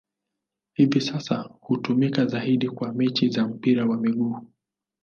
Hivi sasa hutumika zaidi kwa mechi za mpira wa miguu.